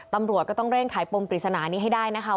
ตำรวจก็ต้องเร่งขายปมปริศนานี้ให้ได้นะคะ